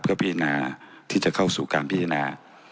เพื่อพิจารณาที่จะเข้าสู่การพิจารณา